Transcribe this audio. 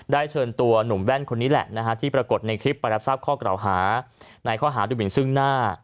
เชิญตัวหนุ่มแว่นคนนี้แหละที่ปรากฏในคลิปไปรับทราบข้อกล่าวหาในข้อหาดูหมินซึ่งหน้า